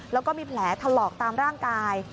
แล้วก็มีแผลถลอกตามร่างกาย